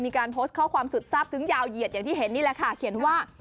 มีการโพสต์ข้อความสุดทราบซึ้งยาวเหยียดอย่างที่เห็นนี่แหละค่ะเขียนว่า